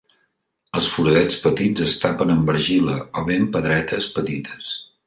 Els foradets petits es tapen amb argila o bé amb pedretes petites.